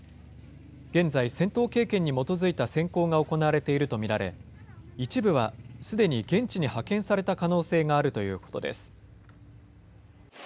現在、戦闘経験に基づいた選考が行われていると見られ、一部はすでに現地に派遣された可能性があるということです。